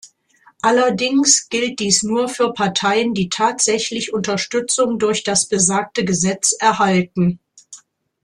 Allerdings gilt dies nur für Parteien, die tatsächlich Unterstützung durch das besagte Gesetz erhalten.